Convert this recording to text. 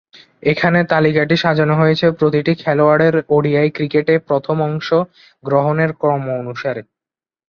এখানে তালিকাটি সাজানো হয়েছে প্রতিটি খেলোয়াড়ের ওডিআই ক্রিকেটে প্রথম অংশ গ্রহণের ক্রম অনুসারে।